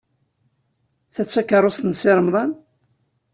Ta d takeṛṛust n Si Remḍan?